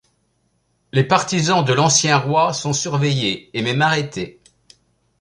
Les partisans de l'ancien roi sont surveillés et même arrêtés.